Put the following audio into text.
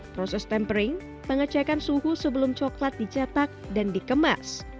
proses tempering pengecekan suhu sebelum coklat dicetak dan dikemas